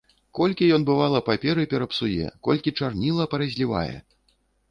Колькі ён, бывала, паперы перапсуе, колькі чарніла паразлівае!